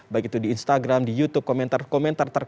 baik itu di instagram di youtube komentar komentar